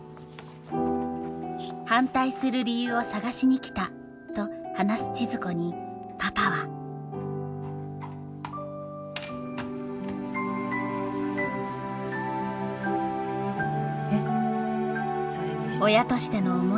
反対する理由を探しに来たと話す千鶴子にパパはえっ。